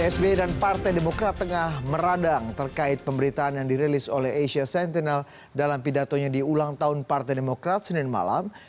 sby dan partai demokrat tengah meradang terkait pemberitaan yang dirilis oleh asia sentinel dalam pidatonya di ulang tahun partai demokrat senin malam